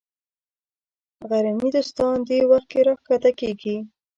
غرني دوستان دې وخت کې راکښته کېږي.